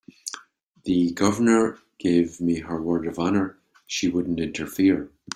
The Governor gave me her word of honor she wouldn't interfere.